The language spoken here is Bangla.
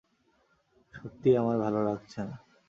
সত্যিই আমার ভালো লাগছে না।